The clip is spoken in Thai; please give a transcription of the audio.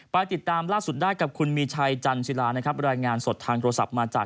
ไปติดตามล่าสุดได้กับคุณมีชัยจันทิรานะครับรายงานสดทางโทรศัพท์มาจาก